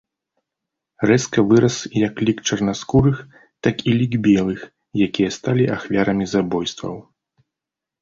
Рэзка вырас як лік чарнаскурых, так і лік белых, якія сталі ахвярамі забойстваў.